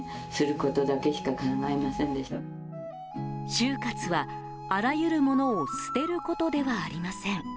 終活は、あらゆるものを捨てることではありません。